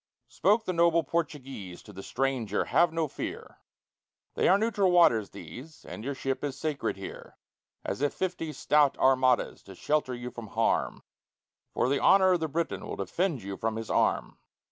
Spoke the noble Portuguese to the stranger: "Have no fear; They are neutral waters these, and your ship is sacred here As if fifty stout armadas to shelter you from harm, For the honor of the Briton will defend you from his arm."